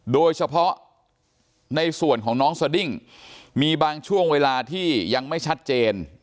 โดยเฉพาะในส่วนของน้องสดิ้งมีบางช่วงเวลาที่ยังไม่ชัดเจน